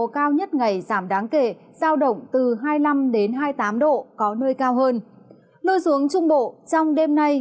cao nhất ngày giảm đáng kể giao động từ hai mươi năm đến hai mươi tám độ có nơi cao hơn lưu xuống trung bộ trong đêm nay